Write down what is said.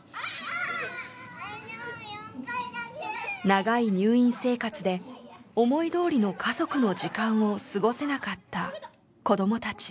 長い入院生活で思いどおりの家族の時間を過ごせなかった子どもたち。